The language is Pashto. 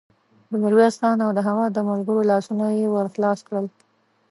د ميرويس خان او د هغه د ملګرو لاسونه يې ور خلاص کړل.